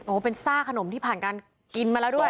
โอ้โหเป็นซ่าขนมที่ผ่านการกินมาแล้วด้วย